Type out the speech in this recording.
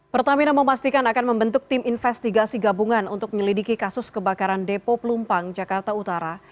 pertamina memastikan akan membentuk tim investigasi gabungan untuk menyelidiki kasus kebakaran depo pelumpang jakarta utara